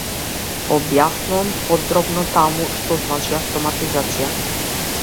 Објаснувам подробно таму - што значи автоматизација.